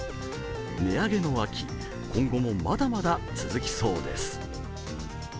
値上げの秋、今後もまだまだ続きそうです。